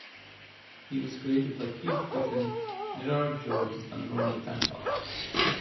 He was created by Keith Giffen, Gerard Jones, and Romeo Tanghal.